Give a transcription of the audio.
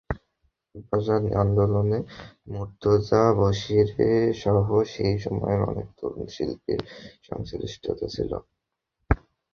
ভাষা আন্দোলনে মুর্তজা বশীরসহ সেই সময়ের অনেক তরুণ শিল্পীর সংশ্লিষ্টতা ছিল।